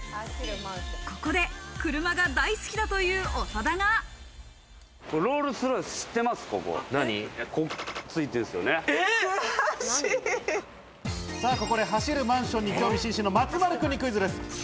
ここで車が大好きだという長田が。ロールス・ロイス、知ってまここで「走るマンション」に興味津々の松丸さんにクイズです。